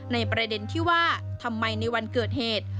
ในประเด็นที่ว่าทำไมในวันเกิดเหตุ